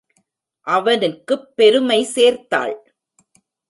அவனுக்குப் பெருமை சேர்த்தாள்.